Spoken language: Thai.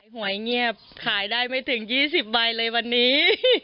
หวยเงียบขายได้ไม่ถึง๒๐ใบเลยวันนี้